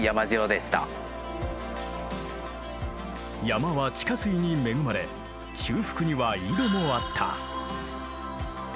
山は地下水に恵まれ中腹には井戸もあった。